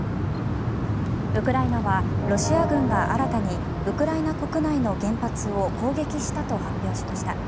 ウクライナはロシア軍が新たにウクライナ国内の原発を攻撃したと発表しました。